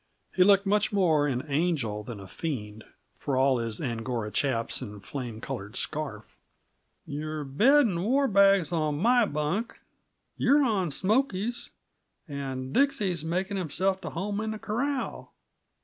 He looked much more an angel than a fiend, for all his Angora chaps and flame colored scarf. "Your bed and war bag's on my bunk; you're on Smoky's; and Dixie's makin' himself to home in the corral.